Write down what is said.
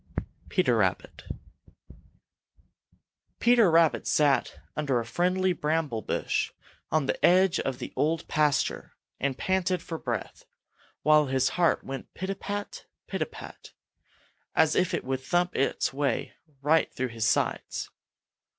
Peter Rabbit. Peter Rabbit sat under a friendly bramble bush on the edge of the Old Pasture and panted for breath, while his heart went pit a pat, pit a pat, as if it would thump its way right through his sides.